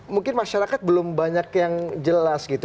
mungkin masyarakat belum banyak yang jelas gitu